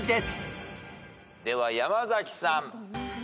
では山崎さん。